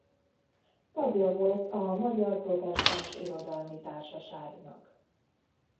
Tagja volt a Magyar Protestáns Irodalmi Társaságnak.